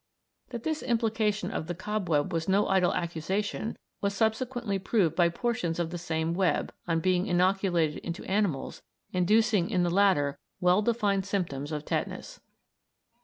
That this implication of the cobweb was no idle accusation was subsequently proved by portions of the same web, on being inoculated into animals, inducing in the latter well defined symptoms of tetanus.